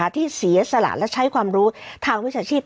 ที่เสียสละและใช้ความรู้ทางวิชาชีพ